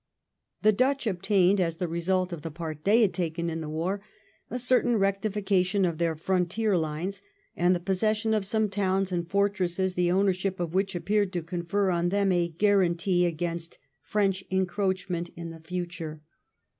The Dutch obtained, as the result of the part they had taken in the war, a certain rectification of their frontier Unes, and the possession of some towns and fortresses the ownership of which appeared to confer on them a guarantee against French encroachment in the future.